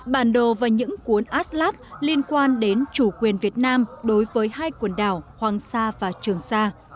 bản đồ và những cuốn aslav liên quan đến chủ quyền việt nam đối với hai quần đảo hoàng sa và trường sa